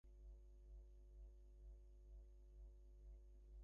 তোমার বয়স কিছু বেশি হয়েছে বটে, তা এমন বাড়ন্ত মেয়ে ঢের আছে।